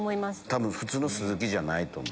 多分普通のスズキじゃないと思う。